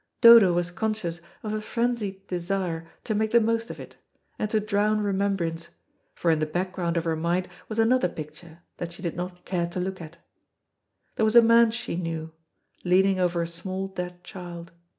Dodo was conscious of a frenzied desire to make the most of it, and to drown remembrance, for in the background of her mind was another picture, that she did not care to look at. There was a man she knew, leaning over a small dead child.